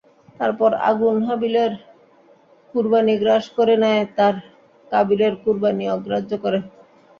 তারপর আগুন হাবীলের কুরবানী গ্রাস করে নেয় আর কাবীলের কুরবানী অগ্রাহ্য করে।